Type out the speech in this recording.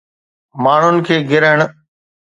ماڻهن کي گرهڻ